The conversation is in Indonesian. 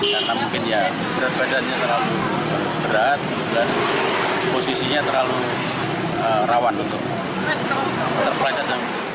karena mungkin ya berat badannya terlalu berat dan posisinya terlalu rawan untuk terpeleset